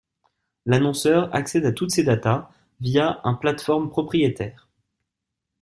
L'annonceur accède à toutes ces data via un plateforme propriétaire.